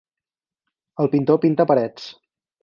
El pintor pinta parets.